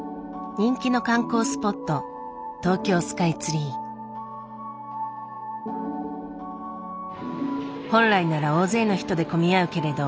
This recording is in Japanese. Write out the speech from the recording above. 人気の観光スポット本来なら大勢の人で混み合うけれど